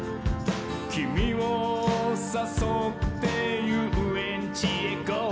「キミをさそってゆうえんちへゴ」